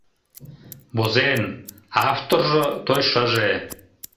Возен, а авторжо — той шыже.